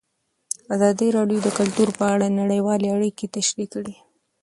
ازادي راډیو د کلتور په اړه نړیوالې اړیکې تشریح کړي.